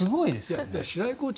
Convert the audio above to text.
白井コーチ